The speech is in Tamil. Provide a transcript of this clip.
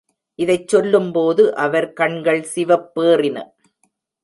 இதைச் சொல்லும்போது அவர் கண்கள் சிவப்பேறின.